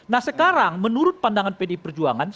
nah sekarang menurut pandangan pdi perjuangan